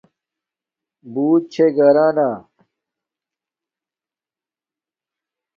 بوت چھے گھرانا